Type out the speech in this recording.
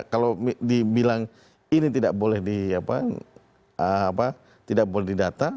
kalau dibilang ini tidak boleh di data